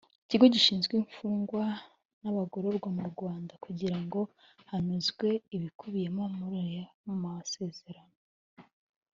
Ikigo gishinzwe Imfungwa n Abagororwa mu Rwanda kugira ngo hanozwe ibikubiyemo muri ayo masezerano.